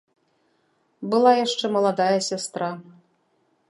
Была яшчэ маладая сястра.